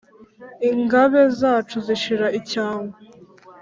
ingabe zacu zishira icyangwe.